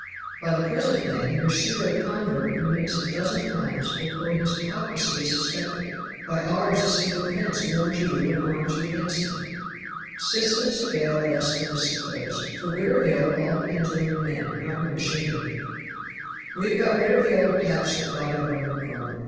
"By the present plan your pseudo convert commits a dozen crimes before his hypocrisy is suspected; by ours a single offense warns you and arms you against him. "Systems avail less than is supposed. For good or ill all depends on your men not your machinery. "We have got rid of the old patch that rotted our new garment.